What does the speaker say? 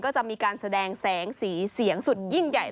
ก็จะมีการแสดงแสงสีเสียงสุดยิ่งใหญ่